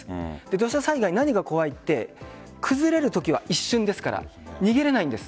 土砂災害、何が怖いって崩れるときは一瞬ですから逃げられないんです。